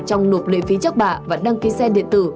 trong nộp lợi phí chất bạ và đăng ký xe điện tử